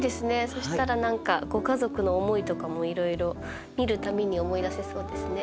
そしたら何かご家族の思いとかもいろいろ見る度に思い出せそうですね。